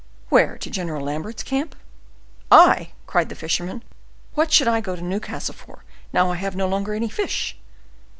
"Where?—to General Lambert's camp?" "I!" cried the fisherman; "what should I go to Newcastle for, now I have no longer any fish?"